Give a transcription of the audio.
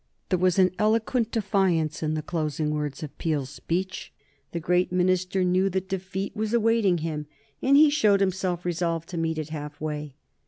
There was an eloquent defiance in the closing words of Peel's speech. The great minister knew that defeat was awaiting him, and he showed himself resolved to meet it half way.